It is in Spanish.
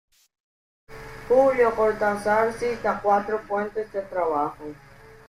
Julio Cortázar cita cuatro fuentes de este trabajo.